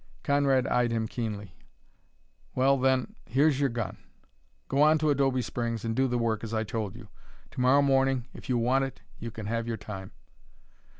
Conrad eyed him keenly. "Well, then, here's your gun. Go on to Adobe Springs and do the work, as I told you. To morrow morning, if you want it, you can have your time."